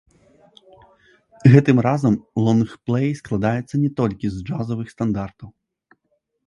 Гэтым разам лонгплэй складаецца не толькі з джазавых стандартаў.